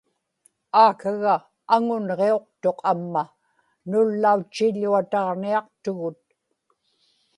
aakaga aŋunġiuqtuq amma; nullautchiḷḷuataġniaqtugut